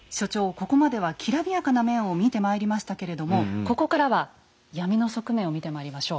ここまではきらびやかな面を見てまいりましたけれどもここからは闇の側面を見てまいりましょう。